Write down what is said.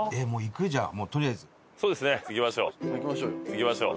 行きましょう。